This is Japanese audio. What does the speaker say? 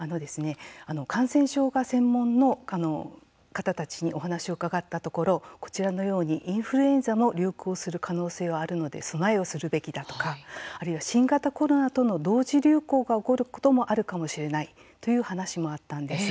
感染症が専門の方たちにお話を伺ったところ、こちらのようにインフルエンザも流行する可能性はあるので備えをするべきだ、とかあるいは、新型コロナとの同時流行が起こることもあるかもしれないという話もあったんです。